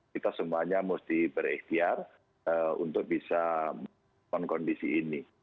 kita semuanya mesti berehiar untuk bisa menggunakan kondisi ini